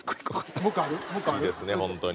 好きですね本当に。